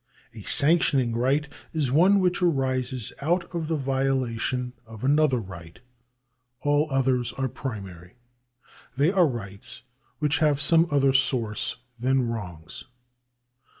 A sanctioning right is one which arises out of the violation of another right. All others are primary ; they are rights which have some other source than wrongs.